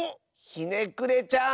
ひねくれちゃん。